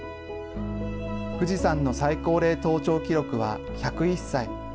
富士山の最高齢登頂記録は１０１歳。